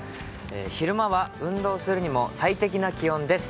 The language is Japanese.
昼間は運動するにも最適な気温です。